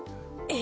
え！